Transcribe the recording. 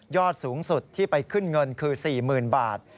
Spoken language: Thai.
สูงสุดที่ไปขึ้นเงินคือ๔๐๐๐บาท